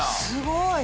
すごい。